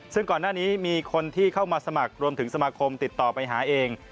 ซึ่งก่อนหน้านี้มีคนที่เข้ามาสมัครรวมถึงสมาคมติดต่อไปหาเอง